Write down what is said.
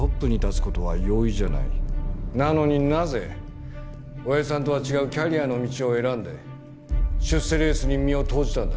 なのになぜ親父さんとは違うキャリアの道を選んで出世レースに身を投じたんだ？